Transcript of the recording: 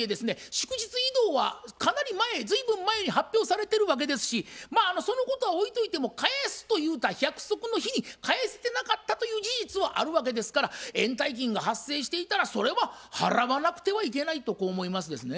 祝日移動はかなり前随分前に発表されてるわけですしそのことは置いといても返すと言うた約束の日に返せてなかったという事実はあるわけですから延滞金が発生していたらそれは払わなくてはいけないとこう思いますですね。